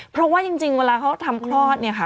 เพราะว่าจริงเวลาเขาทำคลอดเนี่ยค่ะ